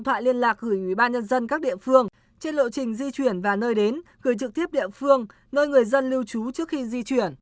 trên lộ trình di chuyển và nơi đến gửi trực tiếp địa phương nơi người dân lưu trú trước khi di chuyển